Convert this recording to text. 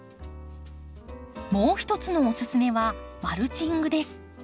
もう一つのおすすめはマルチングです。